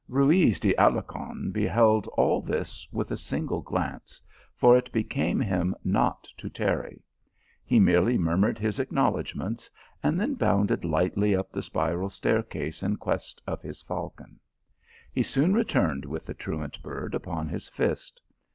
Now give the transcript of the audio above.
Ruyz de Alarcon beheld all this with a single glance, for it became him not to tarry; he merely murmured his acknowledgments, and then bounded lightly up the spiral staircase in quest of his falcon. He soon returned with the truant bird upon his fist.